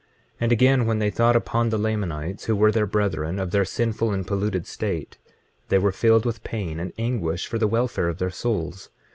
25:11 And again, when they thought upon the Lamanites, who were their brethren, of their sinful and polluted state, they were filled with pain and anguish for the welfare of their souls.